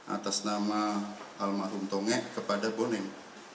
atas nama almarhum tonge kepada boneng